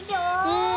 うん。